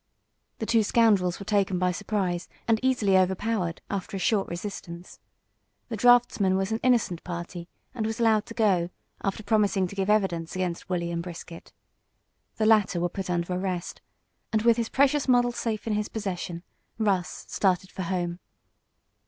The two scoundrels were taken by surprise and easily overpowered, after a short resistance. The draughtsman was an innocent party, and was allowed to go, after promising to give evidence against Wolley and Brisket. The latter were put under arrest, and with his precious model safe in his possession Russ started for home.